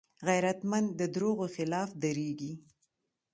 غیرتمند د دروغو خلاف دریږي